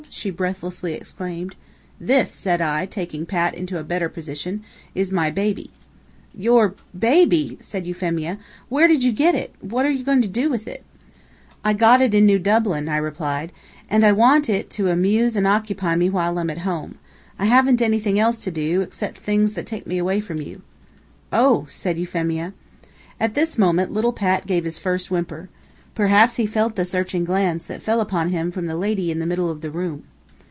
she breathlessly exclaimed. "This," said I, taking Pat into a better position in my arms, "is my baby." "Your baby!" said Euphemia. "Where did you get it? what are you going to do with it?" "I got it in New Dublin," I replied, "and I want it to amuse and occupy me while I am at home. I haven't anything else to do, except things that take me away from you." "Oh!" said Euphemia. At this moment, little Pat gave his first whimper. Perhaps he felt the searching glance that fell upon him from the lady in the middle of the room.